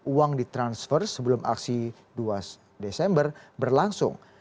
uang ditransfer sebelum aksi dua desember berlangsung